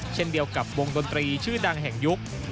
เช่นเดียวกับวงดนตรีชื่อดังแห่งยุค